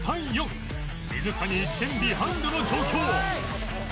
水谷１点ビハインドの状況